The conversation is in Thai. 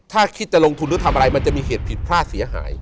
ถ้าคิดจะลงทุนหรือทำอะไรมันจะมีเหตุผิดพลาดเสียหาย